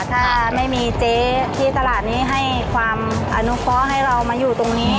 ถ้าไม่มีเจ๊ที่ตลาดนี้ให้ความอนุเคราะห์ให้เรามาอยู่ตรงนี้